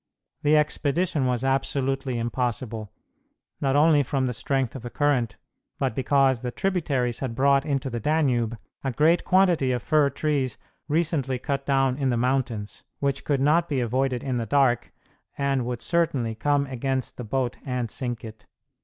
The expedition was absolutely impossible, not only from the strength of the current, but because the tributaries had brought into the Danube a great quantity of fir trees recently cut down in the mountains, which could not be avoided in the dark, and would certainly come against the boat and sink it.